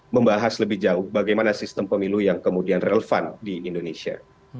jadi itu adalah hal yang lebih jauh bagaimana sistem pemilu yang kemudian relevan di indonesia